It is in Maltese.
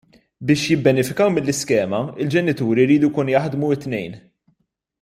Biex jibbenefikaw mill-iskema l-ġenituri jridu jkunu jaħdmu t-tnejn.